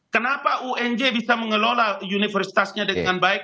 kenapa unj bisa mengelola universitasnya dengan baik